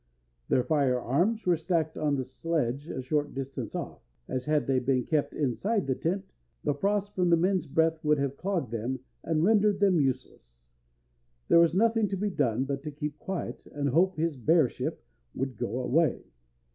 Their fire arms were stacked on the sledge a short distance off, as had they been kept inside the tent, the frost from the men's breath would have clogged them and rendered them useless. There was nothing to be done but to keep quiet, and hope his bearship would go away.